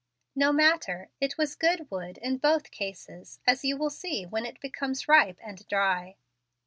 "No matter, it was good wood in both cases, as you will see when it becomes ripe and dry."